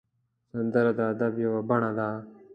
سندره د ادب یو بڼه ده